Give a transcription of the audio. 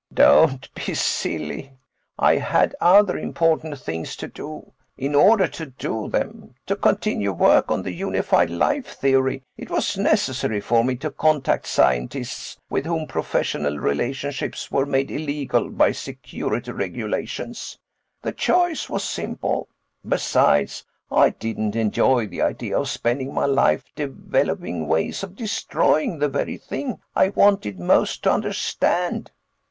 "Don't be silly. I had other important things to do. In order to do them—to continue work on the unified life theory—it was necessary for me to contact scientists with whom professional relationships were made illegal by security regulations. The choice was simple; besides, I didn't enjoy the idea of spending my life developing ways of destroying the very thing I wanted most to understand."